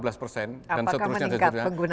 apakah meningkat penggunaan kreditnya